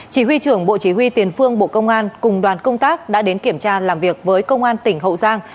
chỉ huy trưởng bộ chỉ huy tiền phương bộ công an cùng đoàn công tác đã đến kiểm tra làm việc với công an tỉnh hậu giang